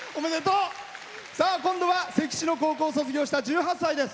今度は関市の高校を卒業した１８歳です。